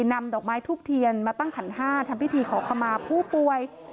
นำดอกไม้ทูบเทียนมาตั้งขันห้าทำพิธีขอขมาผู้ป่วย